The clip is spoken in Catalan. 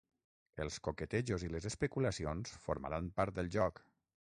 Els coquetejos i les especulacions formaran part del joc.